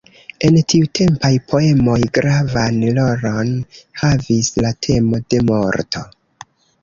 En tiutempaj poemoj, gravan rolon havis la temo de morto.